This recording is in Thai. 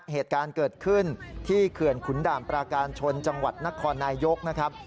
เหตุการณ์เกิดขึ้นที่เขื่อนขุนด่านปราการชนจังหวัดนครนายยกนะครับ